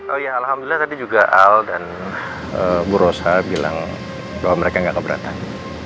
oh ya alhamdulillah tadi juga al dan bu rosa bilang bahwa mereka nggak keberatan